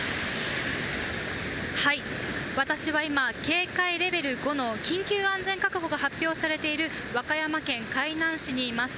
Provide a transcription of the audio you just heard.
私は今、警戒レベル５の緊急安全確保が発表されている和歌山県海南市にいます。